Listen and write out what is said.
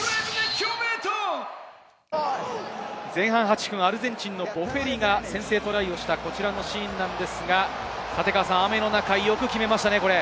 前半８分、アルゼンチンのボフェリが先制トライをしたシーンなんですが、雨の中、よく決めましたね。